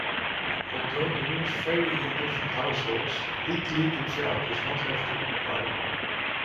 Although rules vary in different households, legally the child does not have to comply.